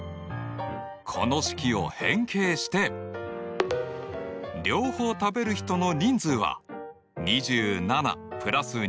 この式を変形して両方食べる人の人数は２７＋２５−３９だ。